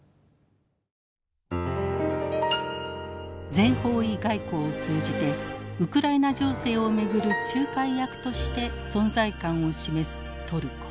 全方位外交を通じてウクライナ情勢を巡る仲介役として存在感を示すトルコ。